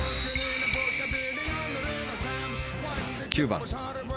９番。